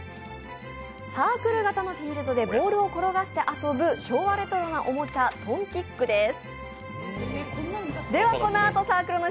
サークル型のフィールドでボールを転がして遊ぶ昭和レトロなおもちゃ「トンキック」です。